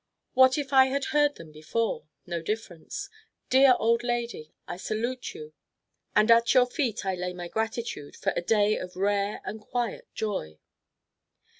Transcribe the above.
What if I had heard them before! no difference. Dear old lady, I salute you and at your feet I lay my gratitude for a day of rare and quiet joy.